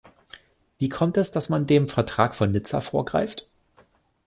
Wie kommt es, dass man dem Vertrag von Nizza vorgreift?